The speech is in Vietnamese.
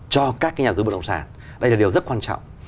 cho các cái nhà tư bất động sản đây là điều rất quan trọng